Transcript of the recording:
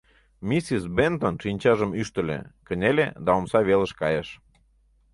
Миссис Бентон шинчажым ӱштыльӧ, кынеле да омса велыш кайыш.